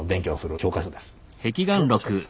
教科書ですか？